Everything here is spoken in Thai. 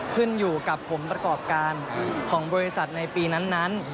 ขึ้นอยู่กับผลประกอบการของบริษัทในปีนั้น